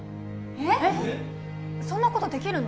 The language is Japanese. えっそんなことできるの？